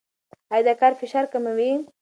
ایا دا کار فشار کموي؟